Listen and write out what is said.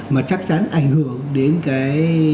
mà chắc chắn ảnh hưởng đến cái